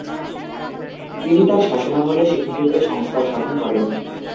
তিনি তার শাসনামলে শিক্ষাক্ষেত্রে সংস্কার সাধন করেন।